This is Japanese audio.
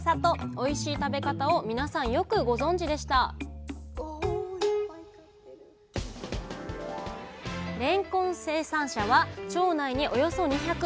おいしい食べ方を皆さんよくご存じでしたれんこん生産者は町内におよそ２００。